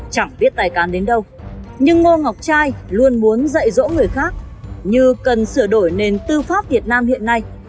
chẳng biết tài cán đến đâu nhưng ngô ngọc trai luôn muốn dạy dỗ người khác như cần sửa đổi nền tư pháp việt nam hiện nay